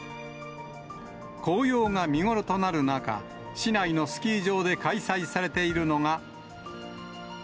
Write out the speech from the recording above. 紅葉が見頃となる中、市内のスキー場で開催されているのが。